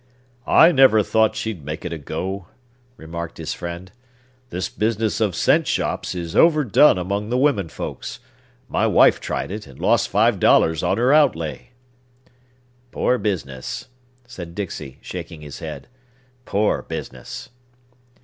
"I never thought she'd make it go," remarked his friend. "This business of cent shops is overdone among the women folks. My wife tried it, and lost five dollars on her outlay!" "Poor business!" said Dixey, shaking his head. "Poor business!"